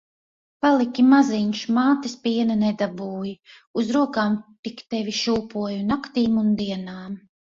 Paliki maziņš, mātes piena nedabūji. Uz rokām tik tevi šūpoju naktīm un dienām.